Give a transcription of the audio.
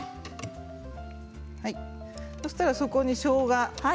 そしたら、そこにしょうが。